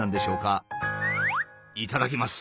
いただきます。